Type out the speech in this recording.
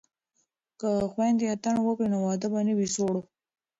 که خویندې اتڼ وکړي نو واده به نه وي سوړ.